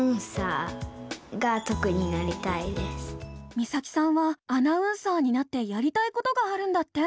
実咲さんはアナウンサーになってやりたいことがあるんだって。